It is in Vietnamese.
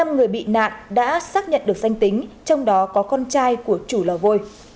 năm người bị nạn đã xác nhận được danh tính trong đó có con trai của chủ lò vôi